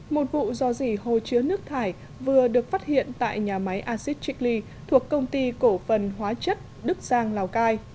một vụ dò dỉ hồ chứa nước thải vừa được phát hiện tại nhà máy acid chickly thuộc công ty cổ phần hóa chất đức giang lào cai